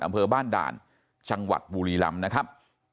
อำเภอบ้านด่านจังหวัดบุรีลำนะครับ